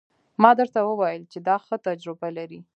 ما درته وويل چې دا ښه تجربه لري.